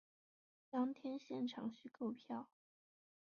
当天现场须购票